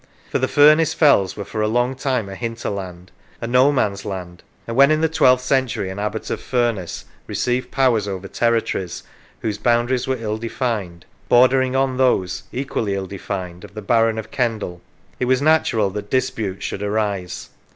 For the Furness fells were for a long time a hinterland, a no man's land, and when in the twelfth century an Abbot of Furness received powers over territories whose boundaries were ill defined, bordering on those, equally ill defined, of the Baron of Kendal, it was natural that disputes should arise.